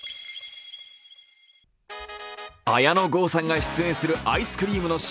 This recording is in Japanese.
綾野剛さんが出演するアイスクリームの新